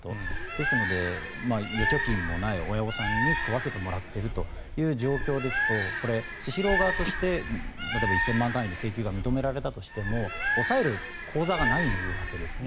ですので、預貯金もない親御さんに食わせてもらっているという状況ですとこれ、スシロー側として例えば１０００万単位で請求が認められたとしても押さえる口座がないわけですね。